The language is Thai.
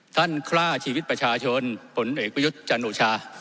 ท่านคร่าชีวิตประชาชนผลเอกพยุทธจันทร์โอชา